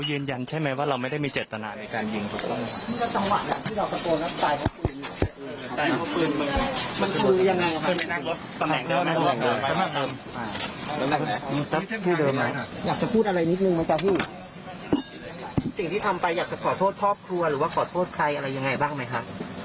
สิ่งที่ทำไปอยากจะขอโทษครอบครัวหรือแรกขอโทษใครอะไรยังไงบ้างมั้ยคะ